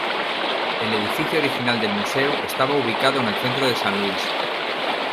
El edificio original del museo estaba ubicado en el centro de San Luis.